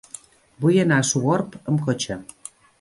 Vull anar a Sogorb amb cotxe.